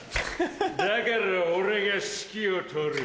だから俺が指揮を執る。